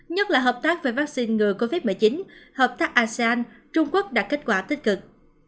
nhất là hợp tác về vaccine ngừa covid một mươi chín hợp tác asean trung quốc đạt kết quả tích cực